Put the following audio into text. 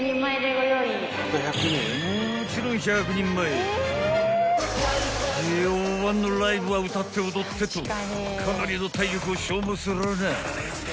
［もちろん］［ＪＯ１のライブは歌って踊ってとかなりの体力を消耗するなぁ］